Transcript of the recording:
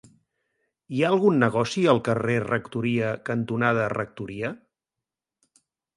Hi ha algun negoci al carrer Rectoria cantonada Rectoria?